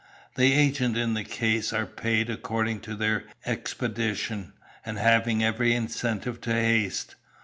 The agents in the case are paid according to their expedition, and have every incentive to haste.